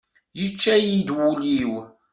Yečča-yi-d wul-iw!